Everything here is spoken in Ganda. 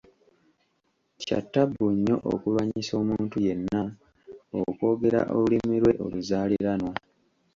Kya ttabbu nnyo okulwanyisa omuntu yenna okwogera olulimi lwe oluzaaliranwa.